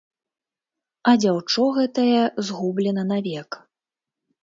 А дзяўчо гэтае згублена навек.